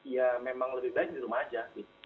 ya memang lebih baik di rumah aja